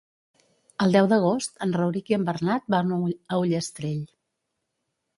El deu d'agost en Rauric i en Bernat van a Ullastrell.